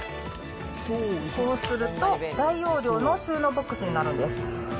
こうすると、大容量の収納ボックスになるんです。